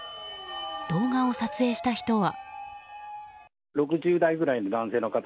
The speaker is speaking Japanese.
動画を撮影した人は。